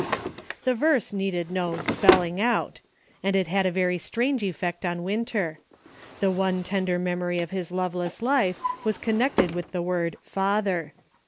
THE verse needed no "spelling out"; and it had a very strange effect on Winter. The one tender memory of his loveless life was con nected with the word "father."